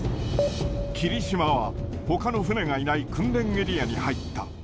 きりしまはほかの船がいない訓練エリアに入った。